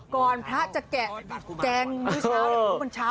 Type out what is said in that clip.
กรรมพระสั่นจะแกะแกล้งตอนมื้อเช้า